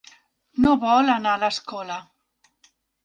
No vol anar a l'escola.